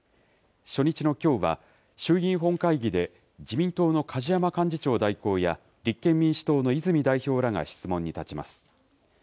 初日のきょうは、衆議院本会議で自民党の梶山幹事長代行や、立憲民主党の泉代表らが質問に立ちます。